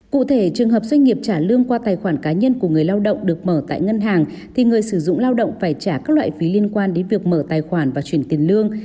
các loại phí liên quan đến mở tài khoản ngân hàng được mở tại ngân hàng thì người sử dụng lao động phải trả các loại phí liên quan đến việc mở tài khoản và chuyển tiền lương